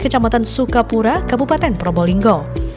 kecamatan sukapura kabupaten probolinggo